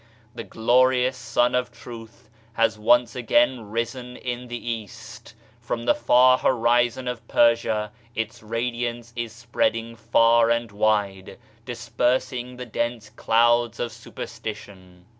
The glorious Sun of Truth has once again risen in the East. From the far horizon of Persia its radiance is spreading far and wide, dispersing the dense clouds of superstition.